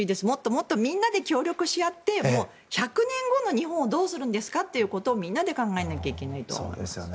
もっともっと、みんなで協力し合って１００年後の日本をどうするんですかということをみんなで考えなきゃいけないと思います。